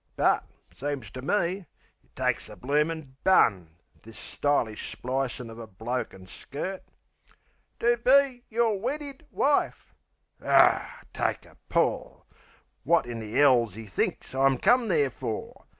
But, seems to me, it takes the bloomin' bun, This stylish splicin' uv a bloke an' skirt. "To be yer weddid wife " Aw, take a pull! Wot in the 'ell's 'e think I come there for?